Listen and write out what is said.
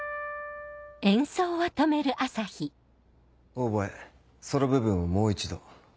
オーボエソロ部分をもう一度。